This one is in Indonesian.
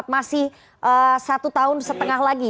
masih satu tahun setengah lagi